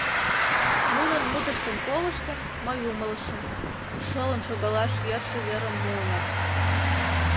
Нунын мутыштым колыштын, мый умылышым: шылын шогалаш йӧршӧ верым муыныт.